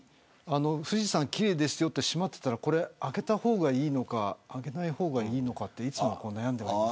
富士山、奇麗ですよとなって閉まっていたら開けた方がいいのか開けない方がいいのかいつも悩んでいます。